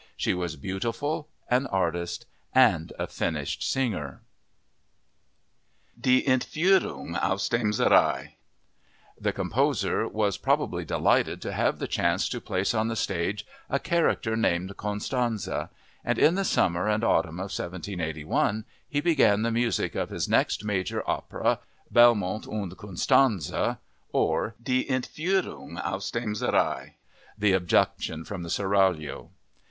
She was beautiful, an artist and a finished singer...." Die Entführung aus dem Serail The composer was probably delighted to have the chance to place on the stage a character named Constanze; and in the summer and autumn of 1781 he began the music of his next major opera, Belmonte und Constanze or Die Entführung aus dem Serail ("The Abduction from the Seraglio").